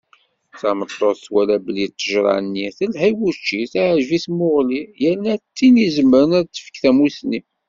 Tameṭṭut twala belli ṭṭejṛa-nni telha i wučči, teɛǧeb i tmuɣli, yerna d tin izemren ad d-tefk tamusni.